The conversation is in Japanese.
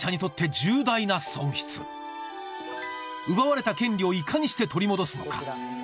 奪われた権利をいかにして取り戻すのか？